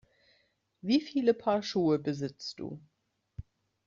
Wie viele Paar Schuhe besitzt du?